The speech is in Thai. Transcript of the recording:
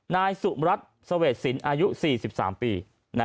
นายสุมรัฐเสวดศิลป์อายุ๔๓ปี